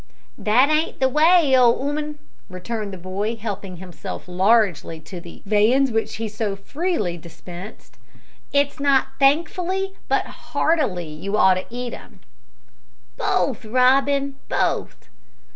"That ain't the way, old 'ooman," returned the boy, helping himself largely to the viands which he so freely dispensed; "it's not thankfully, but heartily, you ought to eat 'em." "Both, Robin, both."